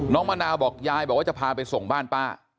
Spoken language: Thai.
น้องมะนาวบอกยายจะพาไปส่งบ้านป้า